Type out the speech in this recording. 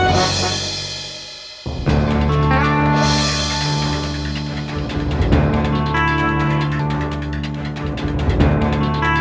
pergi ke dalam